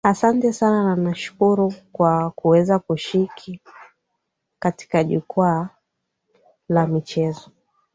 asante sana na nakushukuru kwa kuweza kushiki katika jukwaa la michezo